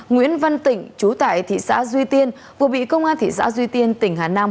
nguyễn văn tịnh chú tại thị xã duy tiên vừa bị công an thị xã duy tiên tỉnh hà nam